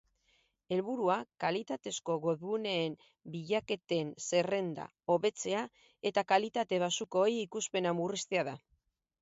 Helburua kalitatezko webguneen bilaketen zerrenda hobetzea eta kalitate baxukoei ikuspena murriztea da.